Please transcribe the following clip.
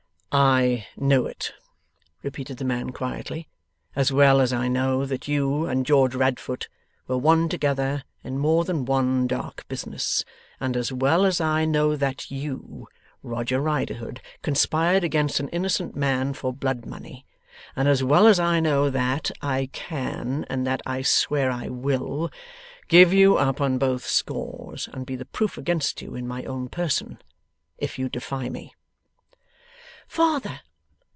'I know it,' repeated the man, quietly, 'as well as I know that you and George Radfoot were one together in more than one dark business; and as well as I know that you, Roger Riderhood, conspired against an innocent man for blood money; and as well as I know that I can and that I swear I will! give you up on both scores, and be the proof against you in my own person, if you defy me!' 'Father!